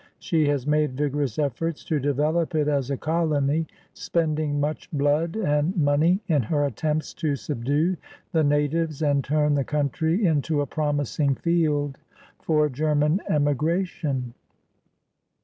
She has made vigorous efforts to develop it as a colony, spending much blood and money in her attempts to subdue the natives and turn the country into a promising field for German emigration.